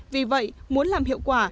vì vậy muốn làm hiệu quả